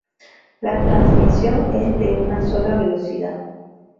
La transmisión es de una sola velocidad.